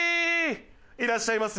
いらっしゃいませ。